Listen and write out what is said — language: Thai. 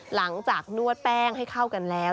หลังจากนวดแป้งให้เข้ากันแล้ว